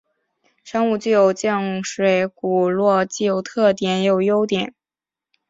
生物具有静水骨骼既有优点也有缺点。